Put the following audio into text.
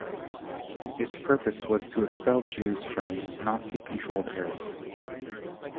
Its purpose was to expel Jews from Nazi-controlled areas.